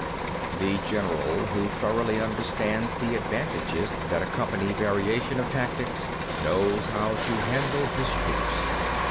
4. The general who thoroughly understands the advantages that accompany variation of tactics knows how to handle his troops.